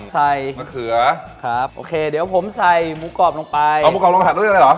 ใส่มะเขือครับโอเคเดี๋ยวผมใส่หมูกรอบลงไปเอาหมูกรอบลงไปผัดด้วยได้หรอ